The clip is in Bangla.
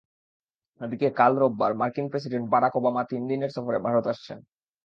এদিকে কাল রোববার মার্কিন প্রেসিডেন্ট বারাক ওবামা তিন দিনের সফরে ভারত আসছেন।